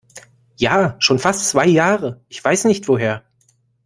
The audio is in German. Ja, schon fast zwei Jahre. Ich weiß nicht woher.